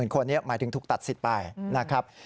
คนนี้หมายถึงถูกตัดสิทธิ์ไปนะครับ